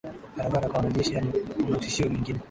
barabara kwa wanajeshi yaani kuna tishio mingine